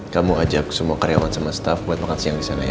kamu ajak semua karyawan sama staff buat makan siang di sana ya